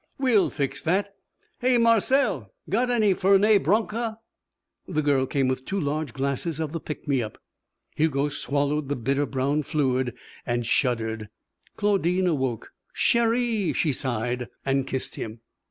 "We'll fix that. Hey! Marcelle! Got any Fernet Branca?" The girl came with two large glasses of the pick me up. Hugo swallowed the bitter brown fluid and shuddered. Claudine awoke. "Chéri!" she sighed, and kissed him.